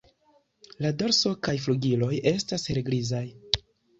La dorso kaj flugiloj estas helgrizaj.